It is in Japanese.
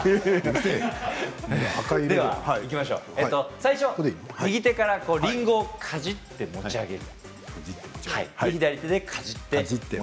最初は右手からりんごをかじって持ち上げる。